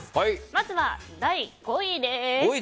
まずは第５位です。